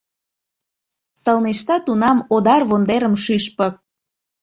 Сылнешта тунам одар вондерым шӱшпык.